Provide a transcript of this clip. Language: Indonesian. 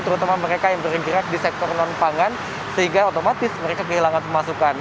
terutama mereka yang bergerak di sektor non pangan sehingga otomatis mereka kehilangan pemasukan